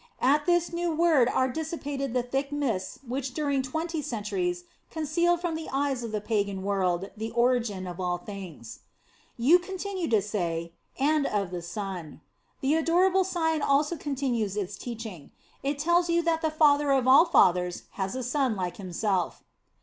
* At this new word are dissipated the thick mists which during twenty centuries concealed from the eyes of the pagan world the origin of all thino s. O You continue to say and of the Son. The adorable sign also continues its teaching. It tells you that the Father of all fathers has a Son like Himself.